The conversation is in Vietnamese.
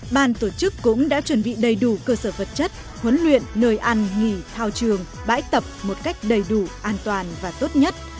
ban tổ chức cũng đã chuẩn bị đầy đủ cơ sở vật chất huấn luyện nơi ăn nghỉ thao trường bãi tập một cách đầy đủ an toàn và tốt nhất